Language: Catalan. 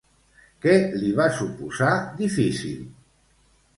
Què li va suposar difícil?